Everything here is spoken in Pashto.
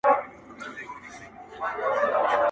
او يو ځای کېدو په پايله کي